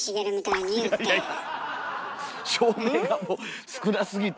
いやいや照明がもう少なすぎて。